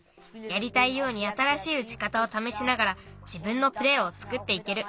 やりたいようにあたらしいうちかたをためしながらじぶんのプレーをつくっていける。